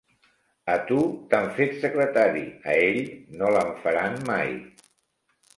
A tu t'han fet secretari; a ell no l'en faran mai.